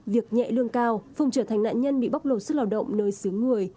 việc nhẹ lương cao phong trở thành nạn nhân bị bóc lột sức lao động nơi xứ người